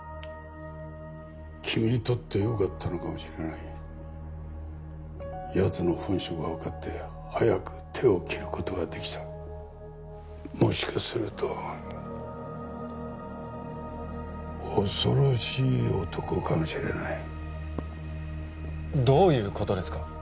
君にとってよかったのかもしれないやつの本性が分かって早く手を切ることができたもしかすると恐ろしい男かもしれないどういうことですか？